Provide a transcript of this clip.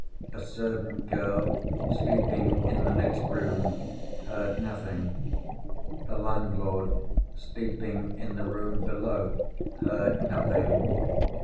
A servant girl, sleeping in the next room, heard nothing. The landlord, sleeping in the room below, heard nothing.